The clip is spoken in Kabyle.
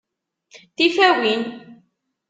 Tifawin!